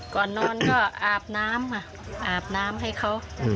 ก่อนนอนก็อาบน้ำค่ะอาบน้ำให้เขา